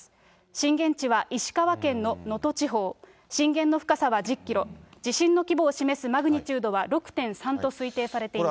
震源地は石川県の能登地方、震源の深さは１０キロ、地震の規模を示すマグニチュードは６．３と推定されています。